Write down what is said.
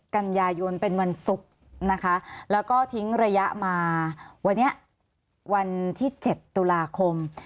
กันยายนเป็นวันศุกร์นะคะแล้วก็ทิ้งระยะมาวันนี้วันที่๗ตุลาคม